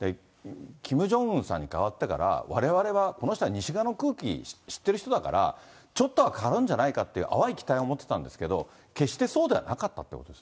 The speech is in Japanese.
キム・ジョンウンさんに代わってから、われわれはこの人は西側の空気を知ってる人だから、ちょっとは変わるんじゃないかって、淡い期待を持ってたんですけれども、決してそうではなかったとい